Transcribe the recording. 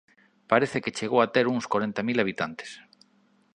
Parece que chegou a ter uns corenta mil habitantes.